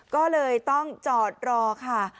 ก็เลยต้องจอดรอค่ะ